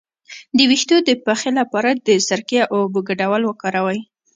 د ویښتو د پخې لپاره د سرکې او اوبو ګډول وکاروئ